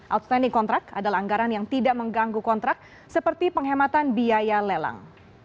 outstanding contract adalah anggaran yang tidak mengganggu kontrak seperti penghematan biaya lelang